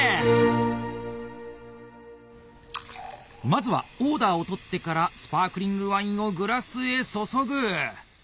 まずはオーダーをとってからスパークリングワインをグラスへ注ぐ。